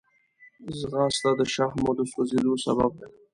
ځغاسته د شحمو د سوځېدو سبب ده